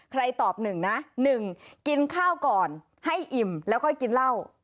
ตอบ๑นะ๑กินข้าวก่อนให้อิ่มแล้วค่อยกินเหล้า